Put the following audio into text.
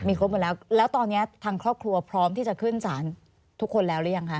ครบหมดแล้วแล้วตอนนี้ทางครอบครัวพร้อมที่จะขึ้นสารทุกคนแล้วหรือยังคะ